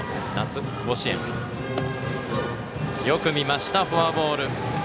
よく見ました、フォアボール。